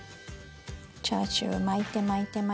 チャーシュー巻いて巻いて巻いて。